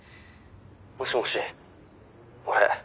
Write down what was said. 「もしもし？俺」